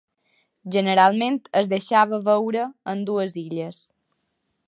Generalment es deixava veure en dues illes.